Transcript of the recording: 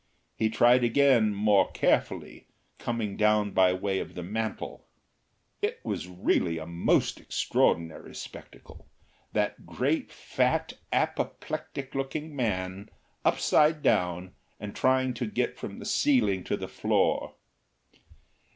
He tried again more carefully, coming down by way of the mantel. It was really a most extraordinary spectacle, that great, fat, apoplectic looking man upside down and trying to get from the ceiling to the floor.